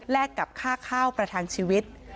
กับค่าข้าวประทังชีวิต